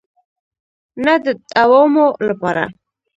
نه د عوامو لپاره.